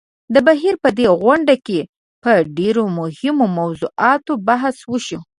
د بهېر په دې غونډه کې په ډېرو مهمو موضوعاتو بحث وشو.